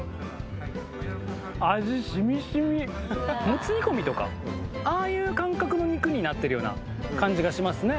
モツ煮込みとかああいう感覚の肉になってるような感じがしますね